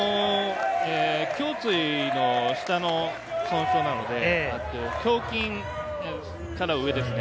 胸椎の下の損傷なので、胸筋から上ですね。